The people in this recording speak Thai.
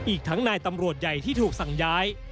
อีกทั้งนายตำรวจใหญ่ที่ถูกสั่งย้าย